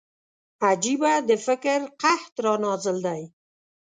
عجيبه د فکر قحط را نازل دی